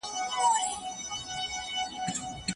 لویه جرګه د ولسمشر له پاره ولي مشورتي ارزښت لري؟